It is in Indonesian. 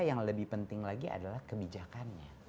yang lebih penting lagi adalah kebijakannya